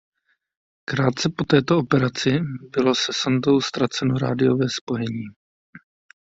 Krátce po této operaci bylo se sondou ztraceno rádiové spojení.